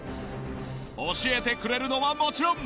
教えてくれるのはもちろん。